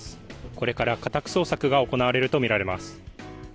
これから家宅捜索が行われるとみられます。